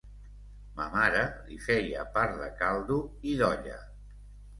Ma mare li feia part de caldo i d’olla.